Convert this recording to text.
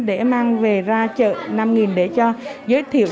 để mang về ra chợ năm để cho giới thiệu